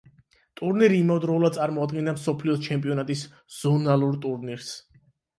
ტურნირი იმავდროულად წარმოადგენდა მსოფლიო ჩემპიონატის ზონალურ ტურნირს.